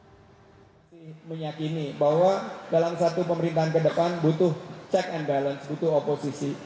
masih meyakini bahwa dalam satu pemerintahan ke depan butuh check and balance butuh oposisi